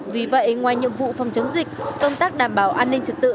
vì vậy ngoài nhiệm vụ phòng chống dịch công tác đảm bảo an ninh trật tự